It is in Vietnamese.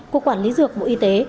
của quản lý dược bộ y tế